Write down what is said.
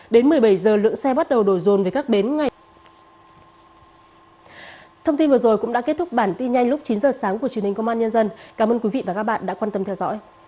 đến một mươi bảy h lượng xe bắt đầu đổi dồn về các biến ngay từ một mươi sáu h ngày ba tháng chín